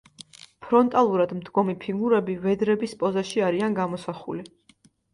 ფრონტალურად მდგომი ფიგურები ვედრების პოზაში არიან გამოსახული.